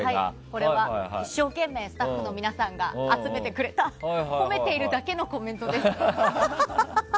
これは一生懸命スタッフの皆さんが集めてくれた褒めているだけのコメントです。